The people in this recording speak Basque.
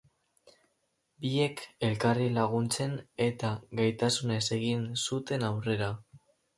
Biek elkarri laguntzen eta gaitasunez egin zuten aurrera.